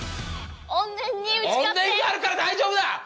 怨念があるから大丈夫だ！